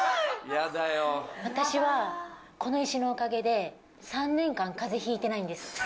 私はこの石のおかげで３年間風邪引いてないんです。